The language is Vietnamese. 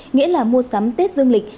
nghĩa là mua sắm tết dương lịch